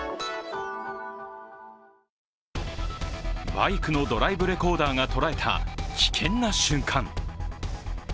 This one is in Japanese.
バイクのドライブレコーダーが捉えた危険な瞬間。